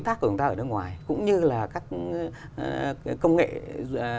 cũng như là các đối tác ở các nước ngoài cũng như là các đội tác ở nước ngoài cũng như là các đội tác của đối tác ở nước ngoài